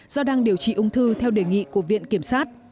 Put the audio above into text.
do đang điều trị ung thư theo đề nghị của viện kiểm sát